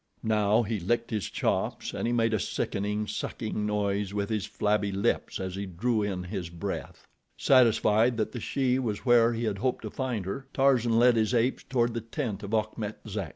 Now, he licked his chops, and he made a sickening, sucking noise with his flabby lips as he drew in his breath. Satisfied that the she was where he had hoped to find her, Tarzan led his apes toward the tent of Achmet Zek.